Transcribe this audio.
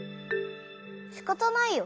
しかたないよ。